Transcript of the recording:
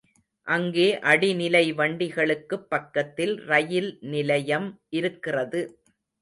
அங்கே அடிநிலை வண்டிகளுக்குப் பக்கத்தில் ரயில் நிலையம் இருக்கிறது.